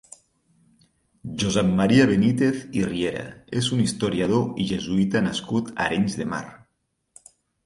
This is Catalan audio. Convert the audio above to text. Josep Maria Benítez i Riera és un historiador i jesuïta nascut a Arenys de Mar.